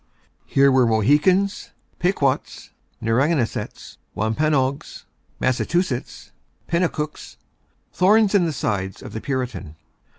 Here were Mohicans, Pequots, Narragansetts, Wampanoags, Massachusetts, Penacooks, thorns in the side of the Puritan.